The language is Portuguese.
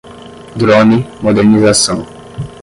drone, modernização